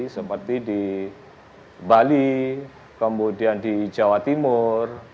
seperti di bali kemudian di jawa timur